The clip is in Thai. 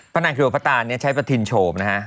พนักเขียวพระตานเนี่ยใช้ประทินโฉมนะฮะ